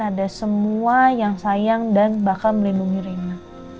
ada semua yang sayang dan bakal melindungi rena